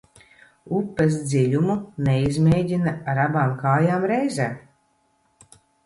Upes dziļumu neizmēģina ar abām kājām reizē.